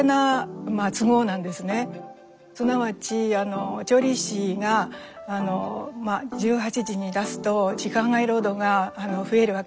すなわち調理師が１８時に出すと時間外労働が増えるわけです。